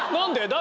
誰？